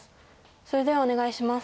それではお願いします。